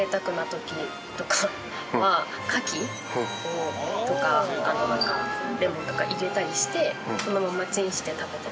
牡蠣とかあとなんかレモンとか入れたりしてそのままチンして食べたり。